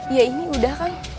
ya ini udah kak